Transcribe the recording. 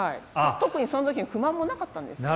特にその時に不満もなかったんですよね。